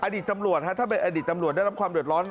อดีตตำรวจถ้าเป็นอดีตตำรวจได้รับความเดือดร้อน